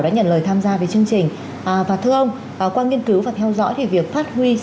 đã nhận lời tham gia về chương trình